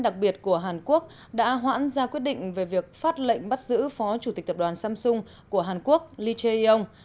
đặc biệt của hàn quốc đã hoãn ra quyết định về việc phát lệnh bắt giữ phó chủ tịch tập đoàn samsung của hàn quốc lee che yon